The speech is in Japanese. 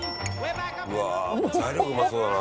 「うわ材料うまそうだな」